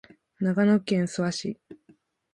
長野県諏訪市